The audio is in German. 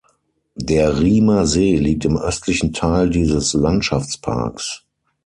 Der Riemer See liegt im östlichen Teil dieses Landschaftsparks.